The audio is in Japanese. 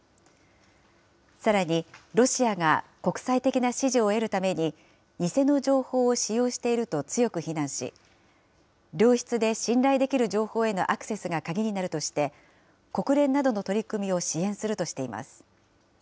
さらに、ロシアが国際的な支持を得るために、偽の情報を使用していると強く非難し、良質で信頼できる情報へのアクセスが鍵になるとして、国連などの取り組みを支援するとしています。